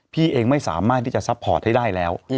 พี่เองไม่สามารถที่จะซัพพอร์ตให้ได้แล้ว